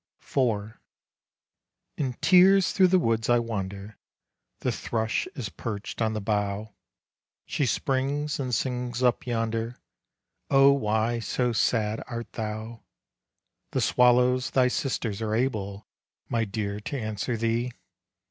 IV. In tears through the woods I wander. The thrush is perched on the bough: She springs and sings up yonder "Oh, why so sad art thou?" The swallows, thy sisters, are able My dear, to answer thee.